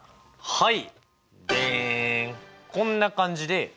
はい。